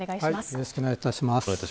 よろしくお願いします。